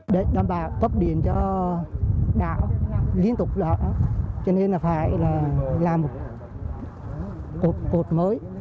để đảm bảo cấp điện cho đảo liên tục đó cho nên là phải làm một cột mới